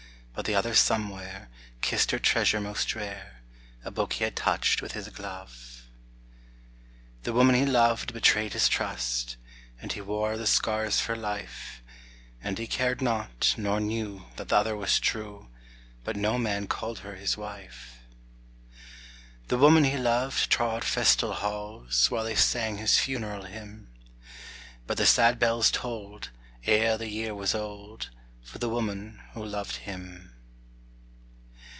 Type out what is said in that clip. But the other somewhere, kissed her treasure most rare, A book he had touched with his glove. The woman he loved betrayed his trust, And he wore the scars for life; And he cared not, nor knew, that the other was true; But no man called her his wife. The woman he loved trod festal halls, While they sang his funeral hymn, But the sad bells tolled, ere the year was old, For the woman who loved him.